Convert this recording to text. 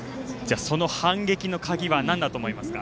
その反撃の鍵は何だと思いますか？